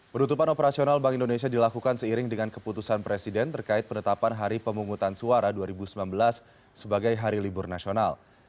penutupan operasional bank indonesia dilakukan seiring dengan keputusan presiden terkait penetapan hari pemungutan suara dua ribu sembilan belas sebagai hari libur nasional